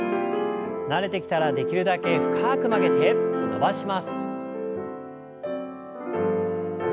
慣れてきたらできるだけ深く曲げて伸ばします。